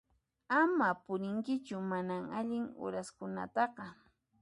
Ama purinkichu mana allin uraskunataqa.